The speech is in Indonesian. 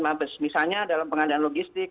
mabes misalnya dalam pengadaan logistik